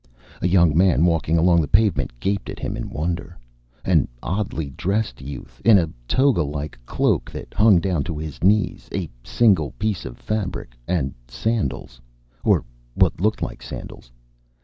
A young man walking along the pavement gaped at him in wonder. An oddly dressed youth, in a toga like cloak that hung down to his knees. A single piece of fabric. And sandals. Or what looked like sandals.